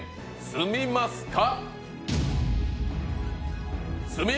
住みますか？